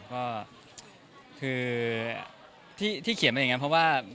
ก็คือที่เขียนมาอย่างนั้นเพราะว่า